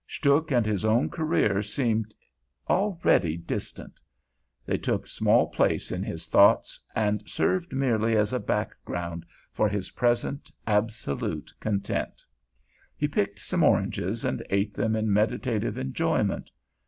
Stuhk and his own career seemed already distant; they took small place in his thoughts, and served merely as a background for his present absolute content. He picked some oranges, and ate them in meditative enjoyment.